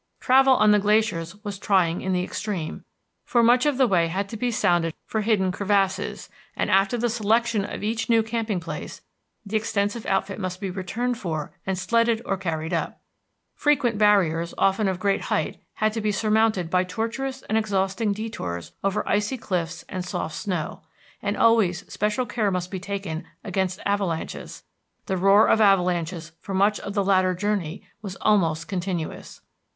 Travel on the glaciers was trying in the extreme, for much of the way had to be sounded for hidden crevasses, and, after the selection of each new camping place, the extensive outfit must be returned for and sledded or carried up. Frequent barriers, often of great height, had to be surmounted by tortuous and exhausting detours over icy cliffs and soft snow. And always special care must be taken against avalanches; the roar of avalanches for much of the latter journey was almost continuous.